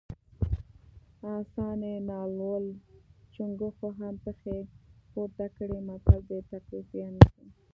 اسان یې نالول چونګښو هم پښې پورته کړې متل د تقلید زیان ښيي